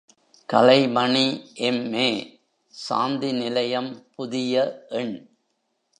Kalaimani MA., Shanti Nilayam புதிய எண்.